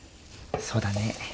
そうだね。